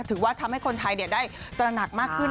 ถือว่าทำให้คนไทยได้ตระหนักมากขึ้น